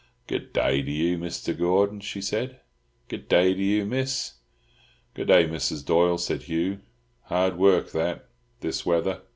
"Good daah to you, Misther Gordon," she said. "Good daah to you, Miss." "Good day, Mrs. Doyle," said Hugh. "Hard work that, this weather.